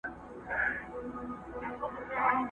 څو شپې ورځي وو په غره کي ګرځېدلی!.